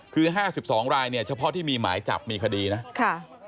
คือ๕๒รายเนี่ยเฉพาะที่มีหมายจับมีคดีนะค่ะ